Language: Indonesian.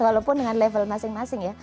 walaupun dengan level masing masing ya